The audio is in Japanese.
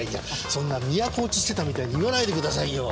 そんな都落ちしてたみたいに言わないでくださいよ。